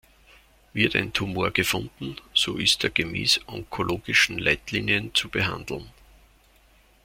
Wird ein Tumor gefunden, so ist er gemäß onkologischen Leitlinien zu behandeln.